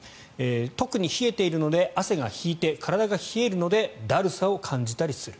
特に冷えているので汗が引いて体が冷えるのでだるさを感じたりする。